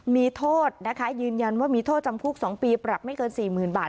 มีโทษนะคะยืนยันว่ามีโทษจำคุก๒ปีปรับไม่เกิน๔๐๐๐บาท